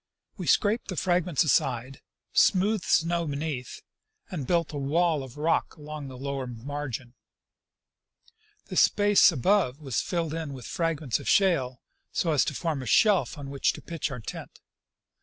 We scraped the fragments aside, smoothed the snow beneath, and built a wall of rock along the lower margin. The space above was filled in with fragments of shale, so as to form a shelf on which to pitch our tent.